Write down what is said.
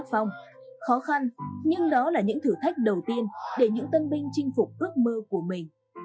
cảm ơn các bạn đã theo dõi và hẹn gặp lại